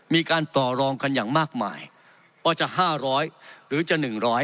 มีการต่อรองกันอย่างมากมายว่าจะ๕๐๐หรือจะ๑๐๐